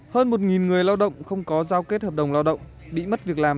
hơn một người lao động không có giao kết hợp đồng lao động bị mất việc làm